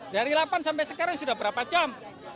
dari delapan sampai sekarang sudah berapa jam